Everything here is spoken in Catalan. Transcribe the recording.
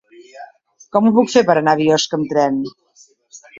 Com ho puc fer per anar a Biosca amb tren?